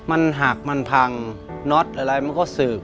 มันหักมันพังน็อตอะไรมันก็สืบ